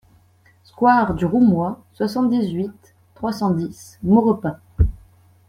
Square du Roumois, soixante-dix-huit, trois cent dix Maurepas